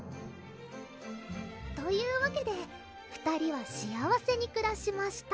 「というわけで２人は幸せにくらしました」